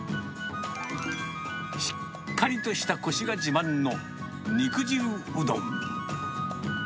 しっかりとしたこしが自慢の肉汁うどん。